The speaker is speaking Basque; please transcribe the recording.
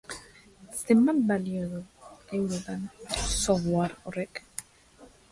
Zenbat balio du, eurotan, software horrek?